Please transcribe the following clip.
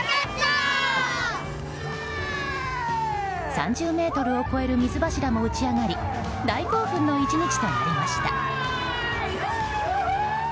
３０ｍを超える水柱も打ち上がり大興奮の１日となりました。